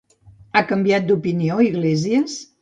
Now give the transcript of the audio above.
Ha canviat d'opinió Iglesias?